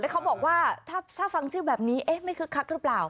แล้วเขาบอกว่าถ้าฟังชื่อแบบนี้เอ๊ะไม่คึกใฮะหรือเปล่า